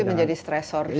jadi menjadi stresor sendiri